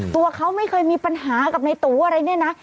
ตัวเขาไม่เคยมีปัญหากับในตูอะไรเนี่ยนะ